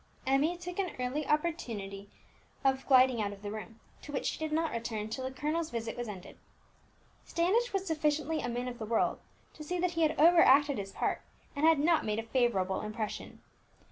Emmie took an early opportunity of gliding out of the room, to which she did not return till the colonel's visit was ended. Standish was sufficiently a man of the world to see that he had overacted his part, and had not made a favourable impression.